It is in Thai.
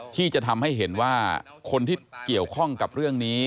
ที่จะทำให้เห็นว่าคนที่เกี่ยวข้องกับเรื่องนี้